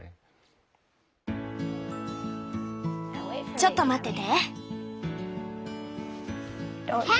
ちょっと待ってて。